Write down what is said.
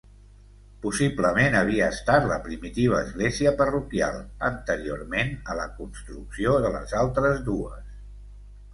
Possiblement havia estat la primitiva església parroquial, anteriorment a la construcció de les altres dues.